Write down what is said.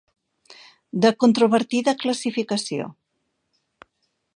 De controvertida classificació.